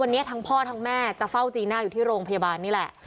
วันนี้ทั้งพ่อทั้งแม่จะเฝ้าจีน่าอยู่ที่โรงพยาบาลนี่แหละ